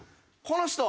この人。